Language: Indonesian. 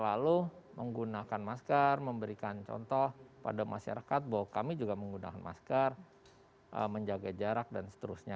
lalu menggunakan masker memberikan contoh pada masyarakat bahwa kami juga menggunakan masker menjaga jarak dan seterusnya